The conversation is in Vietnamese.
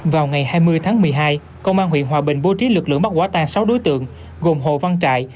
vào ngày hai mươi tháng một mươi hai công an huyện hòa bình bố trí lực lượng bắt quả tang sáu đối tượng gồm hồ văn trại